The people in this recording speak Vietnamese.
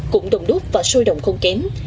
cũng đồng đốt và sôi đồng không kém